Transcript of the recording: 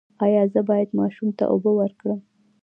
ایا زه باید ماشوم ته اوبه ورکړم؟